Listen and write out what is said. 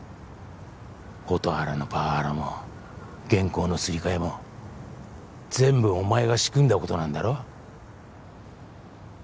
蛍原のパワハラも原稿のすり替えも全部お前が仕組んだことなんだろ？